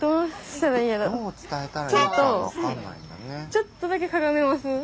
ちょっとだけかがめます？